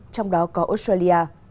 trong đó có australia